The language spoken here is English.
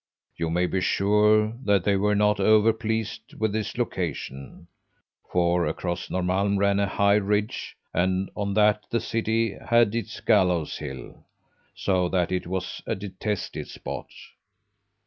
You may be sure that they were not over pleased with this location, for across Norrmalm ran a high ridge, and on that the city had its gallows hill, so that it was a detested spot.